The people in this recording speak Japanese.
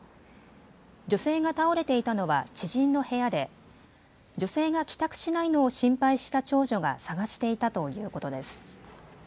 女性が倒れていたのは知人の部屋で女性が帰宅しないのを心配した長女が捜していたということです。